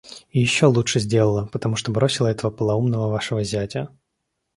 И еще лучше сделала, потому что бросила этого полоумного вашего зятя.